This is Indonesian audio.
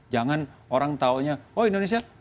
jangan orang taunya oh indonesia